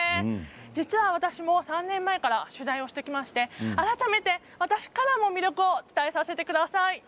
実は私も３年前から取材をしてきまして改めて、私からも魅力を伝えさせてください。